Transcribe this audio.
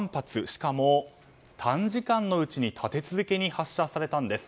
しかも短時間のうちに立て続けに発射されたんです。